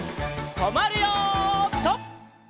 とまるよピタ！